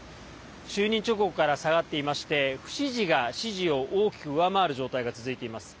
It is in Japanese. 就任直後から下がっていまして不支持が支持を大きく上回る状態が続いています。